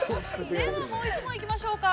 では、もう１問行きましょうか。